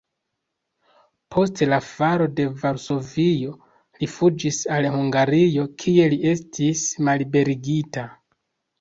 Post la falo de Varsovio li fuĝis al Hungario, kie li estis malliberigita.